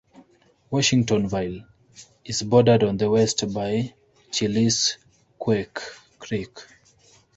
Washingtonville is bordered on the west by Chillisquaque Creek.